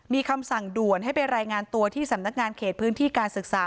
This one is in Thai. มีคำสั่งด่วนให้ไปรายงานตัวที่สำนักงานเขตพื้นที่การศึกษา